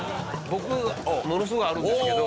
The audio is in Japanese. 僕ものすごいあるんですけど。